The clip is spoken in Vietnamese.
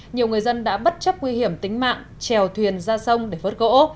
nhiều người dân đã bất chấp nguy hiểm tính mạng trèo thuyền ra sông để vớt gỗ